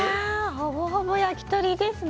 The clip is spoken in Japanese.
ほぼほぼ焼き鳥ですね。